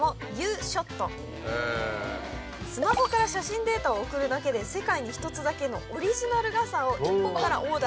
スマホから写真データを送るだけで世界に１つだけのオリジナル傘を１本からオーダーできるそうです。